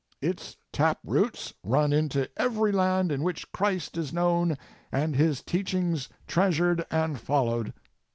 Its tap roots run into every land in which Christ is known and His teachings treasured and followed.